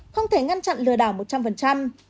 không thể ngăn chặn lừa đảo một trăm linh